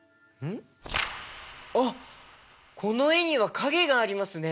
あっこの絵には影がありますね。